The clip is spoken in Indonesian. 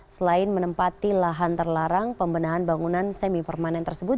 selain menempati lahan terlarang pembenahan bangunan semi permanen tersebut